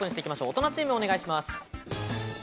大人チーム、お願いします。